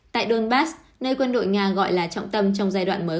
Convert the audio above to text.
tại donbass nơi quân đội nga gọi là trọng tâm trong giai đoạn mới